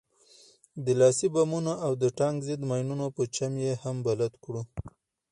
د لاسي بمونو او د ټانک ضد ماينونو په چم يې هم بلد کړو.